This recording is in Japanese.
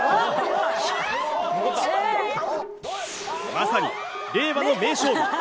まさに令和の名勝負！